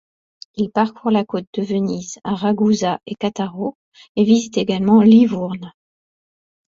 Il parcourt la côte de Venise à Ragusa et Cattaro et visite également Livourne.